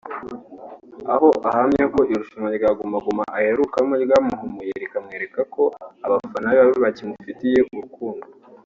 aho ahamya ko irushanwa rya Guma Guma aherukamo ryamuhumuye rikamwereka ko abafana be bakimufitiye urukundo